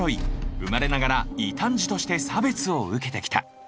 生まれながら異端児として差別を受けてきた。